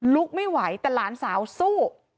ลุกไม่ไหวแต่หลานสาวสู้